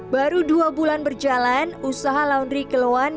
baru dua bulan berjalan usaha laundry kiloan